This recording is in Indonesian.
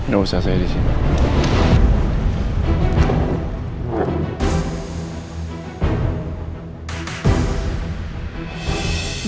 gak usah saya disini